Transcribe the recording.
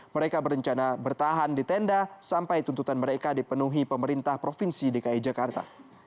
mereka berencana bertahan di tenda sampai tuntutan mereka dipenuhi pemerintah provinsi dki jakarta